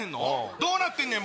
どうなってんねん！